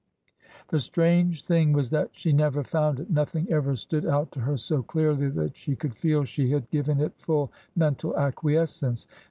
The strange thing was that she never found it ; nothing ever stood out to her so clearly that she could feel she had given it full mental acquiescence.